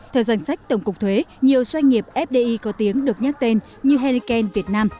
theo danh sách tổng cục thuế nhiều doanh nghiệp fdi có tiếng được nhắc tên như henneken việt nam